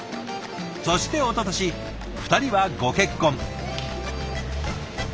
そしておととし２人はご結婚。